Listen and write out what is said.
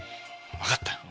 分かったよ。